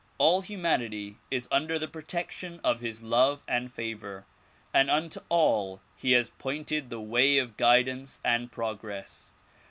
All humanity is under the protection of his love and favor, and unto all he has pointed the way of guidance and progress.